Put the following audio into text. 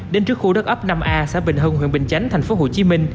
đến trước khu đất ấp năm a xã bình hưng huyện bình chánh tp hcm